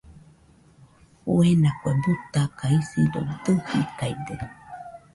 Fuena kue butaka , isido dɨjikaide.